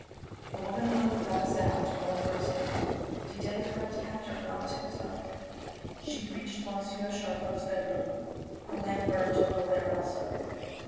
The woman moved without a sound, going first now. Didet crept after her on tiptoe. She reached Monsieur Charcot's bedroom. A lamp burned low there also.